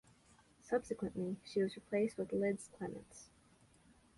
Subsequently, she was replaced with Liz Clements.